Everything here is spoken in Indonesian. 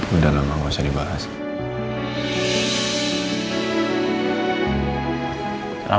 udah lama gak usah dibahas